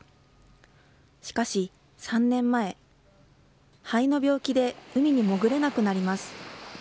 しかし３年前肺の病気で海に潜れなくなります。